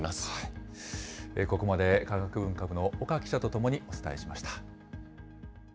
ここまで科学文化部の岡記者と共にお伝えしました。